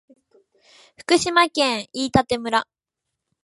福島県飯舘村